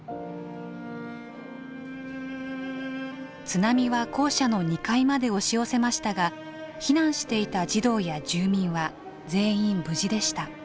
津波は校舎の２階まで押し寄せましたが避難していた児童や住民は全員無事でした。